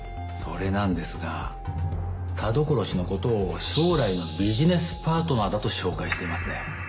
それなんですが田所氏のことを将来のビジネスパートナーだと紹介していますね。